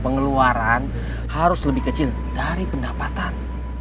pengeluaran harus lebih kecil dari pendapatan